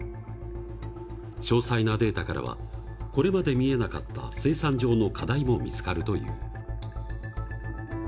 詳細なデータからはこれまで見えなかった生産上の課題も見つかるという。